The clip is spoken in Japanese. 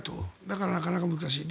だから、なかなか難しい。